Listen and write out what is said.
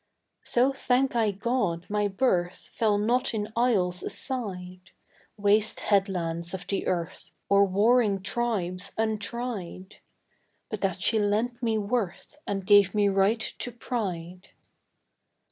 So thank I God my birth Fell not in isles aside Waste headlands of the earth, Or warring tribes untried But that she lent me worth And gave me right to pride.